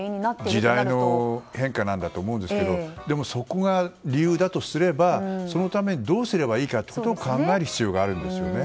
時代の変化なんだと思うんですけどでもそこが理由だとすればそのためにどうすればいいかを考える必要があるんですよね。